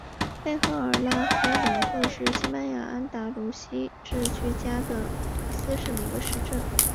贝赫尔德拉夫龙特拉是西班牙安达卢西亚自治区加的斯省的一个市镇。